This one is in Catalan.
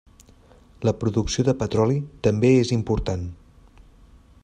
La producció de petroli també és important.